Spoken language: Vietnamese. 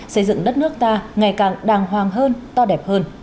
xây dựng đất nước ta ngày càng đàng hoàng hơn to đẹp hơn